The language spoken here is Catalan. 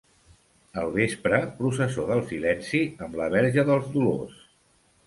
Al vespre, processó del Silenci, amb la Verge dels Dolors.